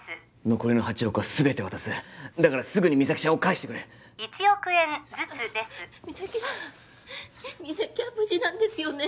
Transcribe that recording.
残りの８億は全て渡すだからすぐに実咲ちゃんを返してくれ１億円ずつです実咲は実咲は無事なんですよね？